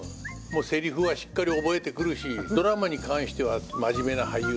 セリフはしっかり覚えてくるしドラマに関しては真面目な俳優さんですね。